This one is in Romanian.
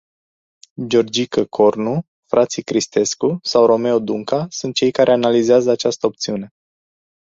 Georgică Cornu, frații Cristescu sau Romeo Dunca sunt cei care analizează această opțiune.